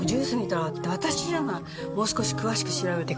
もう少し詳しく調べてくれる？